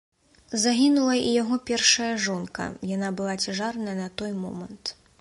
Загінула і яго першая жонка, яна была цяжарная на той момант.